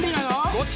どっち？